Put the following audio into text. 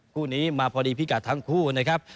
คู่นี้มาพอดีพิกัดทั้งคู่นะครับ